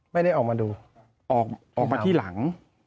ไม่ได้ออกมาดูออกมาที่หลัง